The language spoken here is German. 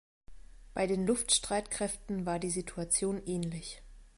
Bei den Luftstreitkräften war die Situation ähnlich.